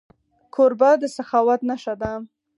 کوربه د سخاوت نښه ده.